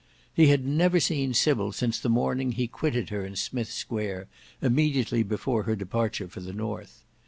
He had never seen Sybil since the morning he quitted her in Smith's Square, immediately before her departure for the North.